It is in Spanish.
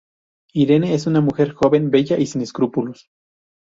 Irene es una mujer joven, bella y sin escrúpulos.